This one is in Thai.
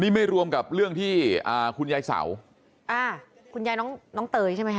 นี่ไม่รวมกับเรื่องที่อ่าคุณยายเสาอ่าคุณยายน้องน้องเตยใช่ไหมคะ